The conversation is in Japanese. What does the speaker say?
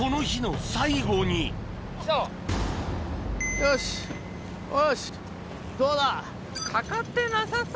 よしよしどうだ？